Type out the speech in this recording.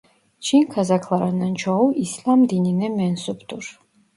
Çin Kazaklarının çoğu İslam dinine mensuptur.